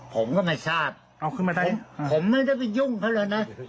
ผมก็ไม่ทราบเอาขึ้นมาได้ผมไม่ได้ไปยุ่งเขาเลยนะ